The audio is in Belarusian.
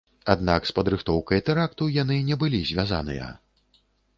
Аднак з падрыхтоўкай тэракту яны не былі звязаныя.